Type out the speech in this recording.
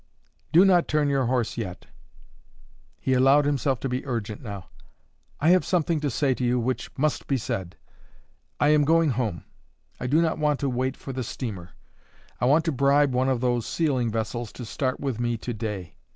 "Do not turn your horse yet." He allowed himself to be urgent now. "I have something to say to you which must be said. I am going home; I do not want to wait for the steamer; I want to bribe one of those sealing vessels to start with me to day.